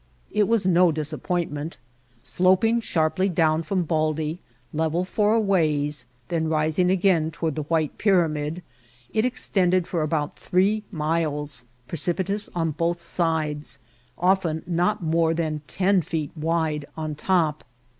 It was no disappointment. Sloping sharply down from Baldy, level for a ways, then rising again toward the white pyramid, it extended for about three miles, precipitous on both sides, often not more than ten feet wide on top.